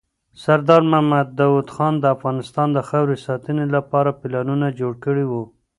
سردار محمد داود خان د افغانستان د خاورې ساتنې لپاره پلانونه جوړ کړي وو.